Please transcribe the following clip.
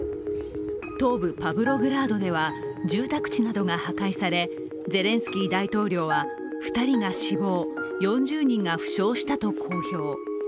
東部パブログラードでは住宅地などが破壊され、ゼレンスキー大統領は２人が死亡、４０人が負傷したと公表。